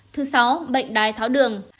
thứ sáu bệnh đai tháo đường